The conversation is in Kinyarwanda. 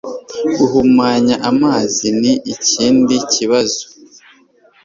Guhumanya amazi ni ikindi kibazo. .